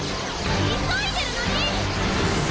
急いでるのに！